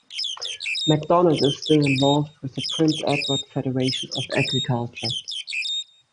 MacDonald is still involved with the Prince Edward Federation of Agriculture.